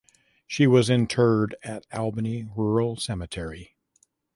She was interred at Albany Rural Cemetery.